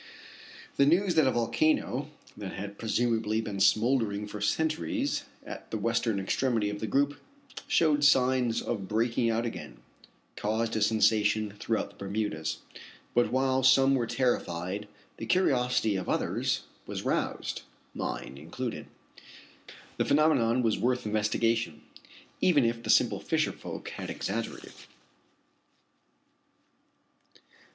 The news that a volcano, that had presumably been smouldering for centuries at the western extremity of the group, showed signs of breaking out again, caused a sensation throughout the Bermudas. But while some were terrified, the curiosity of others was aroused, mine included. The phenomenon was worth investigation, even if the simple fisher folk had exaggerated.